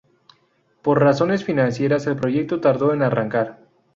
Por razones financieras, el proyecto tardó en arrancar.